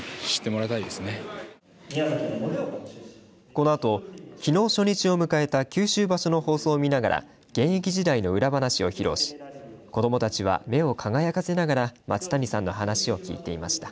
このあときのう初日を迎えた九州場所の放送を見ながら現役時代の裏話を披露し子どもたちは目を輝かせながら松谷さんの話を聞いていました。